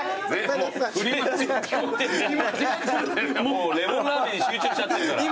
もうレモンラーメンに集中しちゃってるから。